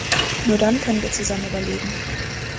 Nur dann können wir zusammen überleben.